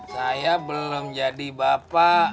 saya belum jadi bapak